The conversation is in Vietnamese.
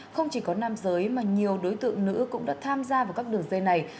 không chỉ có nam giới mà nhiều đối tượng nữ cũng đã tham gia vào các đường dây này